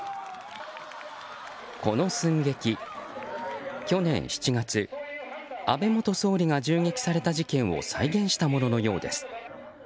この寸劇、去年７月安倍元総理が銃撃された事件を再現したもののようです。